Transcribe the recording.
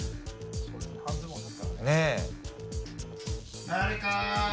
半ズボンですからねねえ